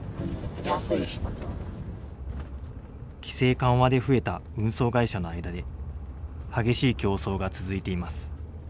規制緩和で増えた運送会社の間で激しい競争が続いています。